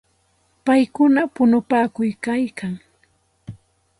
Paykuna punupaakuykalkan.